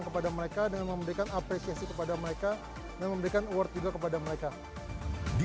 kepada mereka dengan memberikan apresiasi kepada mereka dan memberikan award juga kepada mereka di